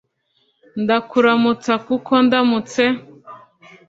ndakuramutsa kuko ndamutse